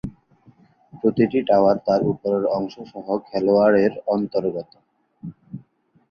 প্রতিটি টাওয়ার তার উপরে অংশ সহ খেলোয়াড়ের অন্তর্গত।